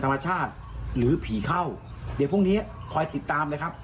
ธรรมชาติหรือผีเข้าเดี๋ยวพรุ่งนี้คอยติดตามเลยครับ